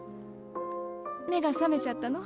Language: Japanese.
目がさめちゃったの？